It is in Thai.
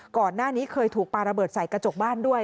ก่อนหน้านี้เคยถูกปลาระเบิดใส่กระจกบ้านด้วย